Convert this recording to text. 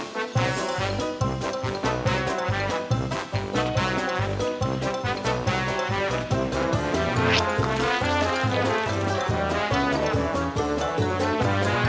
เศษแม่ไอวหน่าด้วย